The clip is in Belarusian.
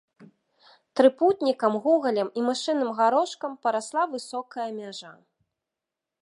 Трыпутнікам, гугалем і мышыным гарошкам парасла высокая мяжа.